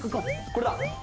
これだ。